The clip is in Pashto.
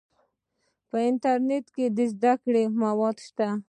په انټرنیټ کې د زده کړې مواد شته.